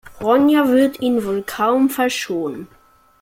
Ronja wird ihn wohl kaum verschonen.